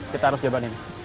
kita harus jabat ini